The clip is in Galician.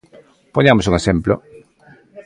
Poñamos un exemplo.